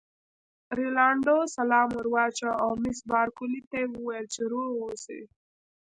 رینالډي سلام ور واچاوه او مس بارکلي ته یې وویل چې روغ اوسی.